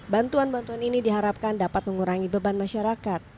bantuan bantuan ini diharapkan dapat mengurangi beban masyarakat